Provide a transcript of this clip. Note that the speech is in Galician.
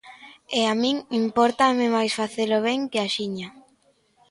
E a min impórtame máis facelo ben que axiña.